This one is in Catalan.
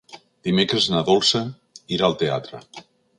Dimecres na Dolça irà al teatre.